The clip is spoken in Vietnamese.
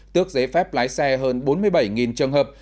tước giấy phép lái xe hơn bốn mươi bảy trường hợp